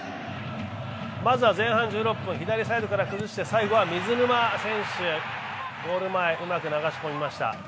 まずは前半１６分、左サイドから崩して最後は水沼選手、ゴール前、うまく流しました。